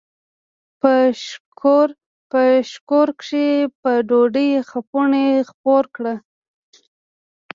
په شکور کښې په ډوډو څپُوڼے خپور کړه۔